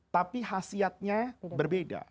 tapi hasilnya berbeda